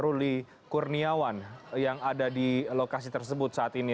ruli kurniawan yang ada di lokasi tersebut saat ini